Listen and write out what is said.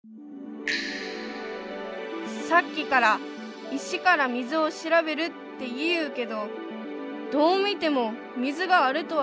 さっきから「石から水を調べる」って言ゆうけどどう見ても水があるとは見えんき！